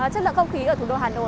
chất lượng không khí ở thủ đô hà nội